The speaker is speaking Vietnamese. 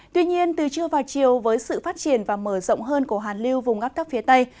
tuy nhiên từ trưa vào chiều với sự phát triển và mở rộng hơn của hàn liêu vùng ngắp cấp phía tây